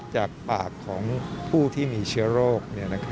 จากปากของผู้ที่มีเชื้อโรค